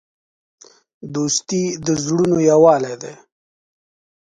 دوستي د زړونو یووالی دی.